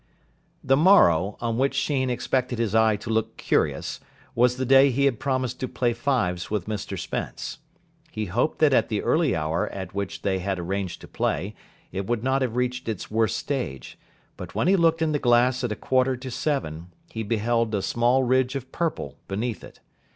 The morrow, on which Sheen expected his eye to look curious, was the day he had promised to play fives with Mr Spence. He hoped that at the early hour at which they had arranged to play it would not have reached its worst stage; but when he looked in the glass at a quarter to seven, he beheld a small ridge of purple beneath it.